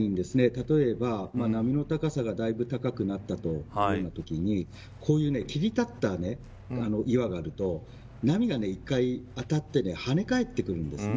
例えば波の高さがだいぶ高くなったときにこういう切り立った岩があると波が１回当たって跳ね返ってくるんです。